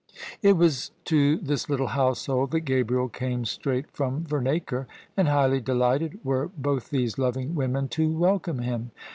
It was to this little household that Gabriel came straight from Vemacre : and highly delighted were both these loving women to welcome him.